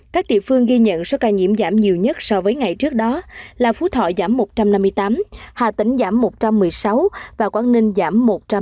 các địa phương ghi nhận số ca nhiễm giảm nhiều nhất so với ngày trước đó là phú thọ giảm một trăm năm mươi tám hà tĩnh giảm một trăm một mươi sáu và quảng ninh giảm một trăm một mươi